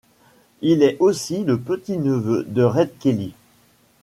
Il est aussi le petit neveu de Red Kelly.